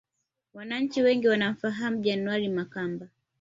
Wananchi wengi wanamfahamu January Makamba